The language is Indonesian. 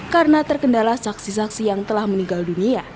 karena terkendala saksi saksi yang telah meninggal dunia